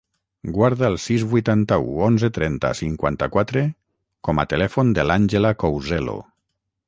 Guarda el sis, vuitanta-u, onze, trenta, cinquanta-quatre com a telèfon de l'Àngela Couselo.